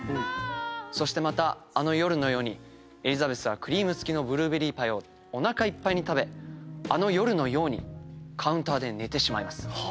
そしてまたあの夜のようにエリザベスはクリーム付きのブルーベリーパイをおなかいっぱいに食べあの夜のようにカウンターで寝てしまいます。